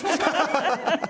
ハハハハ！